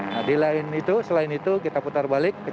nah di lain itu selain itu kita putar balik